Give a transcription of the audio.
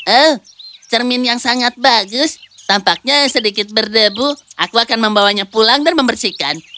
eh cermin yang sangat bagus tampaknya sedikit berdebu aku akan membawanya pulang dan membersihkan